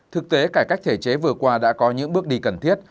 thực tế cải cách thể chế vừa qua đã có những bước đi cần thiết